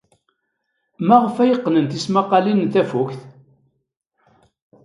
Maɣef ay qqnen tismaqqalin n tafukt?